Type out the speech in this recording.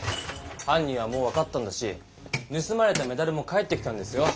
はん人はもう分かったんだしぬすまれたメダルも返ってきたんですよ。